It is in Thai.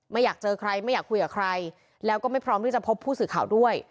ไม่อยากเจอใครไม่อยากคุยกับใครแล้วก็ไม่พร้อมที่จะพบผู้สื่อข่าวด้วย